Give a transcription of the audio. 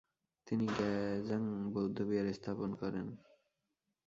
তিনি গ্যা'-ব্জাং বৌদ্ধবিহার স্থাপন করেন।